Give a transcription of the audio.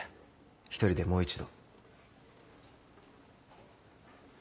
１人でもう一度。